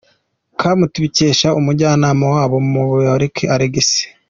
com tubikesha umujyanama wabo Muyoboke Alex.